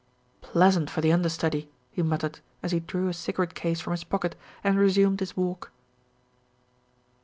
"Pleasant for the understudy," he muttered, as he drew his cigarette case from his pocket and resumed his walk.